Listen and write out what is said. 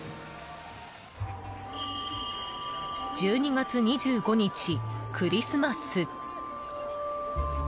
１２月２５日、クリスマス。